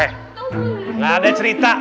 eh enggak ada cerita